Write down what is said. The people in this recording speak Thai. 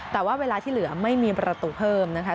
แต่ว่าเวลาที่เหลือไม่มีประตูเพิ่มนะคะ